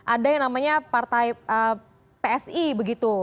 ada yang namanya partai psi begitu